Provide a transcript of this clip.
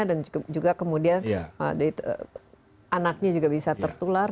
dan juga kemudian anaknya juga bisa tertular